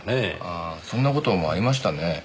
ああそんな事もありましたね。